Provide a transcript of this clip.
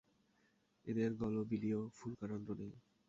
এদের গলবিলীয় ফুলকা রন্ধ্র নেই।